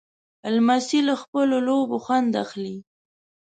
لمسی له خپلو لوبو خوند اخلي.